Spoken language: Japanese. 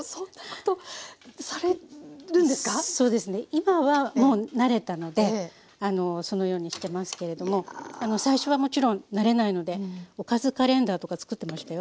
今はもう慣れたのでそのようにしてますけれども最初はもちろん慣れないのでおかずカレンダーとかつくってましたよ。